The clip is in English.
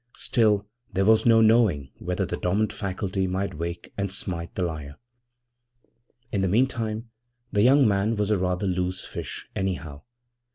Still, there was no knowing when the dormant faculty might wake and smite the lyre. In the meantime the young man was rather a loose fish, anyhow.